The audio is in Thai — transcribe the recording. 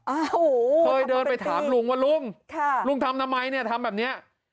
อ้าวเคยเดินไปถามลุงว่าลุงทำทำไมทำแบบนี้